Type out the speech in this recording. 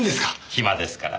暇ですから。